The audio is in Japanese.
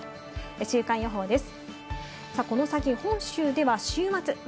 週間予報です。